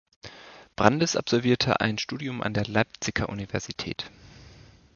Brandis absolvierte ein Studium an der Leipziger Universität.